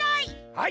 はい！